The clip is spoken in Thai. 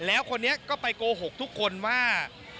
แล้วคนนี้ก็ไปโกหกทุกคนว่า